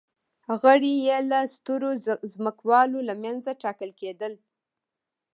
غړي یې له سترو ځمکوالو له منځه ټاکل کېدل